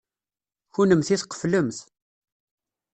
Kennemti tqeflemt.